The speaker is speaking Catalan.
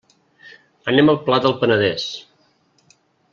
Anem al Pla del Penedès.